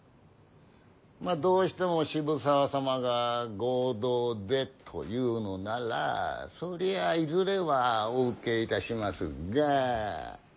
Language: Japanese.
まぁどうしても渋沢様が合同でと言うのならそりゃいずれはお受けいたしますが。